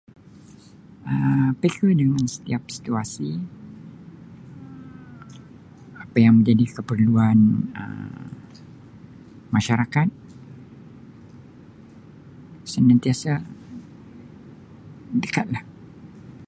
Um [unintelligible] Di setiap situasi Um apa yang jadi keperluan Um masyarakat senentiasa mendekat lah.